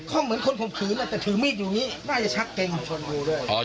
คล่อมเหมือนคนผมถือนะแต่ถือมีดอยู่นี่น่าจะชักเกงของคนอยู่ด้วย